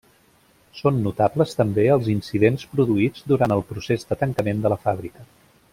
Són notables també els incidents produïts durant el procés de tancament de la fàbrica.